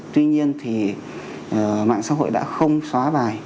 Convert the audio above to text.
tuy nhiên thì mạng xã hội đã không xóa bài